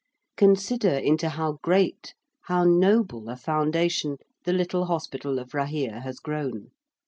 _)] Consider into how great, how noble a Foundation the little hospital of Rahere has grown.